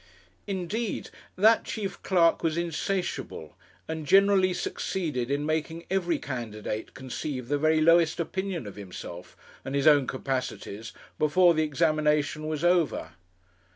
Indeed, that chief clerk was insatiable, and generally succeeded in making every candidate conceive the very lowest opinion of himself and his own capacities before the examination was over.